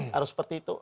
harus seperti itu